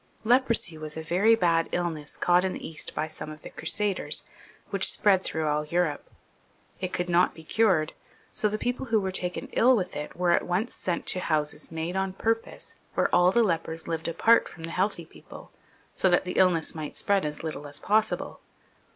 Leprosy was a very bad illness caught in the East by some of the Crusaders, which spread through all Europe. It could not be cured, so the people who were taken ill with it were at once sent to houses made on purpose, where all the lepers lived apart from all healtiiy people, so that the illness might spread as little as possible.